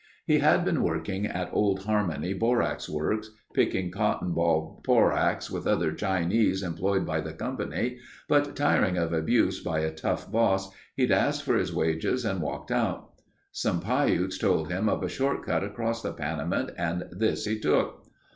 He had been working at Old Harmony Borax Works, picking cotton ball borax with other Chinese employed by the company, but tiring of abuse by a tough boss, he'd asked for his wages and walked out. Some Piutes told him of a short cut across the Panamint and this he took.